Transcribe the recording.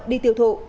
đi tiêu thụ